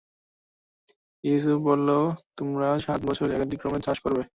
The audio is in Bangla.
ইউসুফ বলল, তোমরা সাত বছর একাদিক্রমে চাষ করবে।